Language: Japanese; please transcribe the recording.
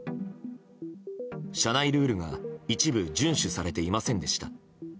社内ルールが一部順守されていませんでした。